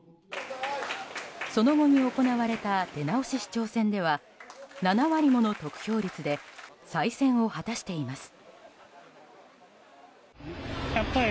その後に行われた出直し市長選では７割もの得票率で再選を果たしています。